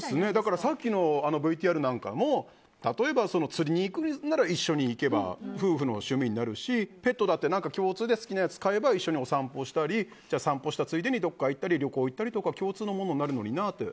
さっきのＶＴＲなんかも例えば釣りに行くなら一緒に行けば夫婦の趣味になるしペットだって共通で好きなやつを飼えば一緒にお散歩したり散歩したついでにどこかに行ったり旅行に行ったり共通のものになるのになって。